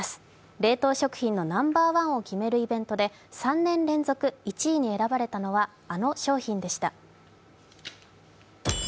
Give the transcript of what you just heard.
冷凍食品のナンバーワンを決めるイベントで３年連続１位に選ばれたのはあの商品でした。